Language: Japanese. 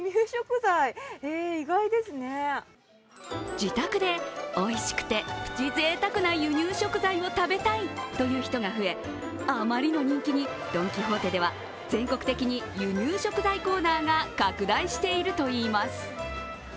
自宅でおいしくて、プチぜいたくな輸入食材を食べたいという人が増えあまりの人気にドン・キホーテでは全国的に輸入食材コーナーが拡大しているといいます。